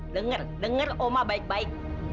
dengar dengar oma baik baik